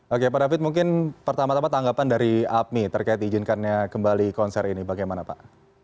oke pak david mungkin pertama tama tanggapan dari apmi terkait izinkannya kembali konser ini bagaimana pak